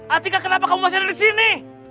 atika kenapa kamu masih ada disini